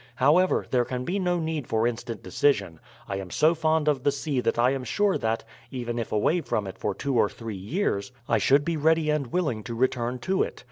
However, there can be no need for instant decision. I am so fond of the sea that I am sure that, even if away from it for two or three years, I should be ready and willing to return to it.